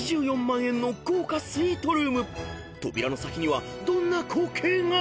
［扉の先にはどんな光景が⁉］